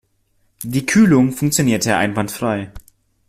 Die Kühlung funktioniere einwandfrei.